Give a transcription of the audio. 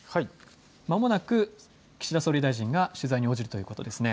まもなく岸田総理大臣が取材に応じるということですね。